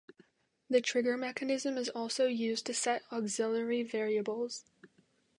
The trigger mechanism is also used to set auxiliary variables.